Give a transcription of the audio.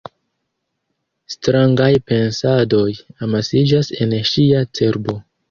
Strangaj pensadoj amasiĝas en ŝia cerbo.